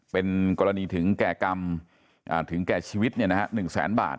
เป็นกรณีถึงแก่กรรมถึงแก่ชีวิต๑แสนบาท